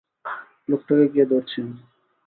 লোকটাকে গিয়ে ধরছি আমি।